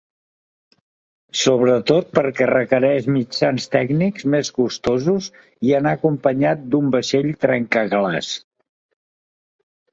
Sobretot perquè requereix mitjans tècnics més costosos i anar acompanyat d’un vaixell trencaglaç.